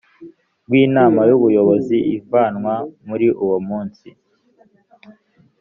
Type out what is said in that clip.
rw inama y ubuyobozi avanwa muri uwo munsi